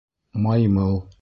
Маймыл.